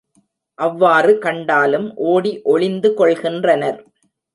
அவ்வாறு கண்டாலும் ஓடி ஒளிந்து கொள்கின்றனர்.